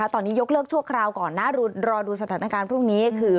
ตอนนี้ยกเลิกชั่วคราวก่อนนะรอดูสถานการณ์พรุ่งนี้คือ